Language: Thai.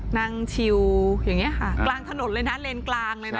นั่งชิวอย่างนี้ค่ะกลางถนนเลยนะเลนกลางเลยนะ